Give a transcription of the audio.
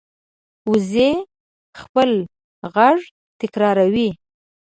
وزې خپل غږ تکراروي